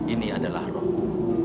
ini adalah rohmu